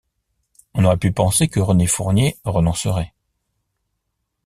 On aurait pu penser que René Fournier renoncerait.